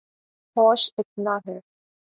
ہوش اتنا ہے